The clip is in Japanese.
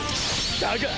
だが！